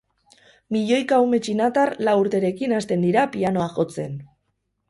Milioika ume txinatar lau urterekin hasten dira pianoa jotzen.